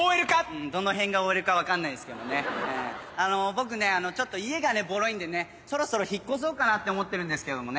僕ねちょっと家がボロいんでねそろそろ引っ越そうかなって思ってるんですけどもね。